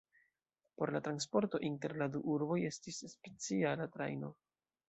Por la transporto inter la du urboj estis speciala trajno.